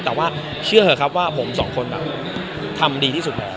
แต่ว่าเชื่อเถอะครับว่าผมสองคนทำดีที่สุดแล้ว